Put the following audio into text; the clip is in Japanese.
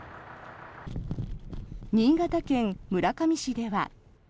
新潟県村上市では。